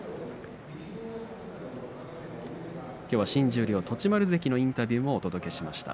きょうは新十両栃丸関のインタビューもお届けしました。